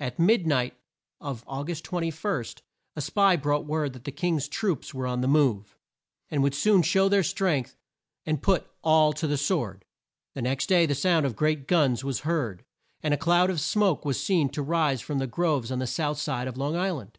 At mid night of Au gust 21, a spy brought word that the King's troops were on the move, and would soon show their strength, and "put all to the sword." The next day the sound of great guns was heard, and a cloud of smoke was seen to rise from the groves on the south side of Long Isl and.